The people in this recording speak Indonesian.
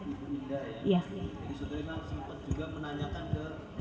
jadi saudari mak sempat juga menanyakan ke